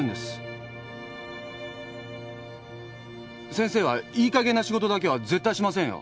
先生はいいかげんな仕事だけは絶対しませんよ。